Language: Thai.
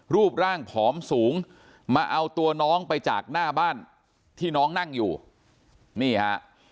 รูปร่างผอมสูงมาเอาตัวน้องไปจากหน้าบ้านที่น้องนั่งอยู่นี่ฮะ